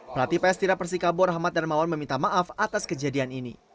pelatih ps tira persikabo rahmat darmawan meminta maaf atas kejadian ini